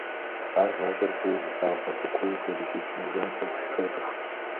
Ар гъащӀэр фӀыуэ зылъагъу, абы куууэ хэзыщӀыкӀ, нэ жанкӀэ плъэ цӀыхущ.